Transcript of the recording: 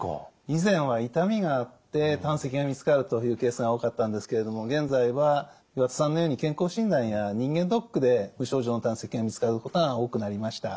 以前は痛みがあって胆石が見つかるというケースが多かったんですけれども現在は岩田さんのように健康診断や人間ドックで無症状の胆石が見つかることが多くなりました。